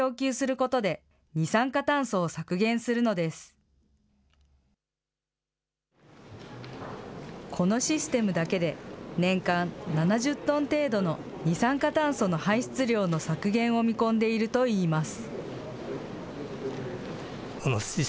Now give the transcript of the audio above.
このシステムだけで、年間７０トン程度の二酸化炭素の排出量の削減を見込んでいるといいます。